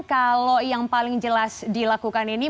kalau yang paling jelas dilakukan ini